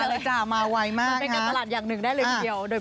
มาเลยจ้ะมาไวมากค่ะมันเป็นกันตลาดอย่างหนึ่งได้เลยทีเดียว